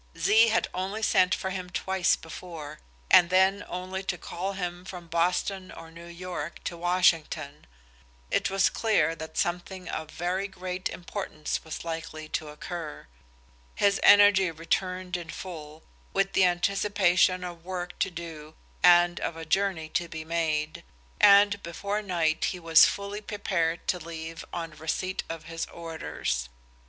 Z had only sent for him twice before, and then only to call him from Boston or New York to Washington. It was clear that something of very great importance was likely to occur. His energy returned in full, with the anticipation of work to do and of a journey to be made, and before night he was fully prepared to leave on receipt of his orders.